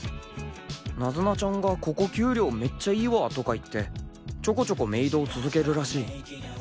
［ナズナちゃんが「ここ給料めっちゃいいわ」とか言ってちょこちょこメイドを続けるらしい］